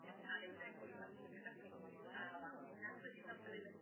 Nezbytně se tak nezaměřují na nejlepší výsledky v oblasti rozvoje.